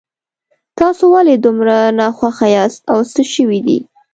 تاسو ولې دومره ناخوښه یاست او څه شوي دي